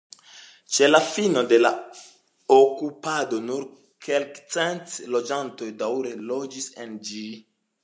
Ĉe la fino de la okupado nur kelkcent loĝantoj daŭre loĝis en ĝi.